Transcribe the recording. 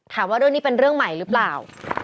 ถามว่าเรื่องนี้เป็นเรื่องใหม่หรือเปล่า